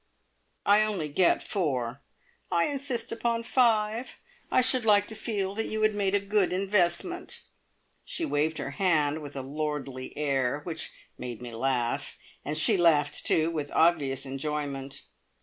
"I only get four." "I insist upon five! I should like to feel that you had made a good investment." She waved her hand with a lordly air which made me laugh. And she laughed, too, with obvious enjoyment.